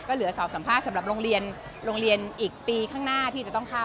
เหลือสอบสัมภาษณ์สำหรับโรงเรียนโรงเรียนอีกปีข้างหน้าที่จะต้องเข้า